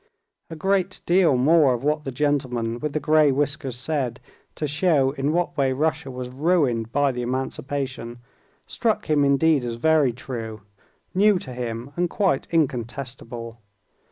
A great deal more of what the gentleman with the gray whiskers said to show in what way Russia was ruined by the emancipation struck him indeed as very true, new to him, and quite incontestable.